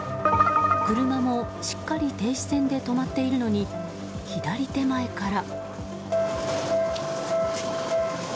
車もしっかり停止線で止まっているのに左手前から。